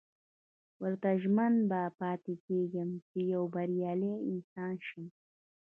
ورته ژمن به پاتې کېږم چې يو بريالی انسان شم.